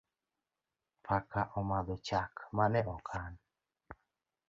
Paka omadho chak mane okan